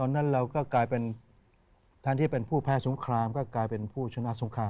เอานี่ดีกว่าธนบัตรดอกจันทร์คือยังไง